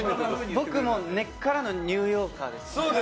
僕もう根っからのニューヨーカーですので。